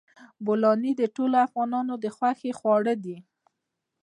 بولاني د ټولو افغانانو د خوښې خواړه دي.